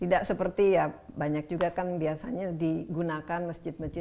tidak seperti ya banyak juga kan biasanya digunakan masjid masjid